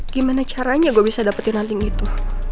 gimana caranya gua bisa dapetin andin itu